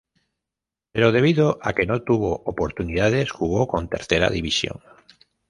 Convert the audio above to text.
Pero debido a que no tuvo oportunidades, jugó con Tercera División.